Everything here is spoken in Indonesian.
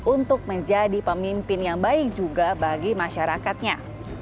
untuk menjadi pemimpin yang baik juga bagi masyarakatnya